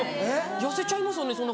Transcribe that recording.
痩せちゃいますよね。